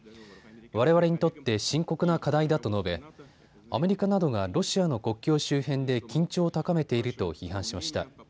われわれにとって深刻な課題だと述べ、アメリカなどがロシアの国境周辺で緊張を高めていると批判しました。